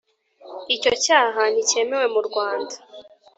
icyo cyaha ntikemewe mu Rwanda